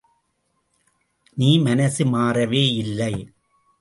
நீ மனசு மாறவேயில்லை.